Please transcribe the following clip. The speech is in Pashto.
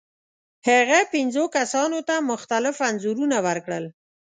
هغه پنځو کسانو ته مختلف انځورونه ورکړل.